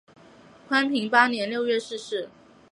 宽平八年六月逝世。